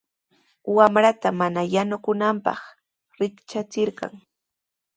Wamranta maman yanukuyaananpaq riktrachirqan.